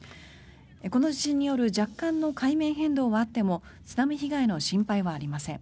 この地震による若干の海面変動はあっても津波被害の心配はありません。